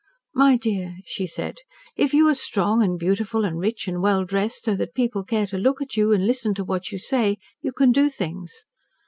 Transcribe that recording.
"My dear" she said, "if you are strong and beautiful and rich and well dressed, so that people care to look at you, and listen to what you say, you can do things.